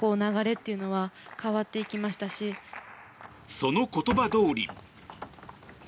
その言葉どおり。